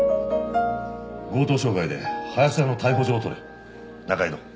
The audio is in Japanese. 強盗傷害で林田の逮捕状を取れ仲井戸。